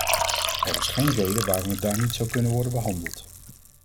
Er is geen reden waarom het daar niet zou kunnen worden behandeld.